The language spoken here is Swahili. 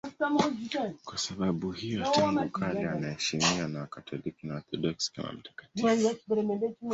Kwa sababu hiyo tangu kale anaheshimiwa na Wakatoliki na Waorthodoksi kama mtakatifu.